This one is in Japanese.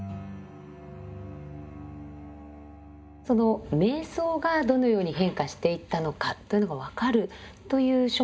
その瞑想がどのように変化していったのかというのが分かるという書物がこちらですね。